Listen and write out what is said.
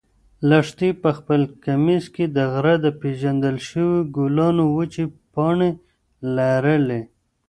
لښتې په خپل کمیس کې د غره د پېژندل شوو ګلانو وچې پاڼې لرلې.